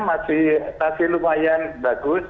masih lumayan bagus